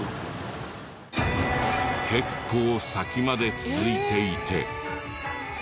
結構先まで続いていて。